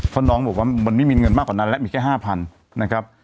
เพราะน้องบอกว่ามันไม่มีเงินมากกว่านั้นแล้วมีแค่๕๐๐นะครับ